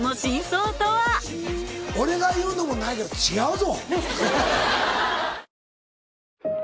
俺が言うのも何やけど違うぞ！